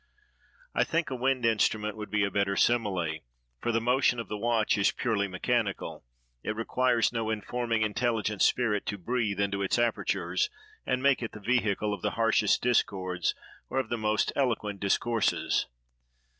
I think a wind instrument would be a better simile, for the motion of the watch is purely mechanical. It requires no informing, intelligent spirit to breathe into its apertures, and make it the vehicle of the harshest discords, or of the most eloquent discourses.